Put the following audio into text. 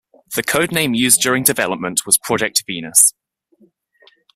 The codename used during development was Project Venus.